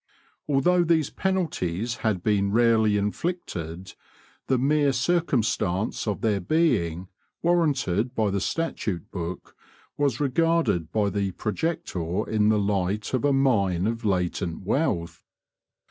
Although these penalties had been rarely inflicted, the mere circumstance of their being warranted by the statute book was regarded by the projector in the light of a mine of latent wealth.